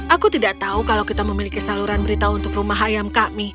aku tidak tahu kalau kita memiliki saluran berita untuk rumah ayam kami